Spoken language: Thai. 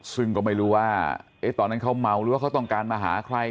ซึ่งก็ไม่รู้ว่าตอนนั้นเขาเมาหรือว่าเขาต้องการมาหาใคร